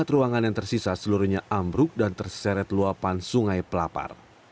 empat ruangan yang tersisa seluruhnya ambruk dan terseret luapan sungai pelapar